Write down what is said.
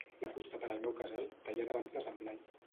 La fusta per al meu casal, tallada abans de Sant Blai.